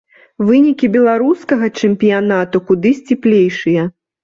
Вынікі беларускага чэмпіянату куды сціплейшыя.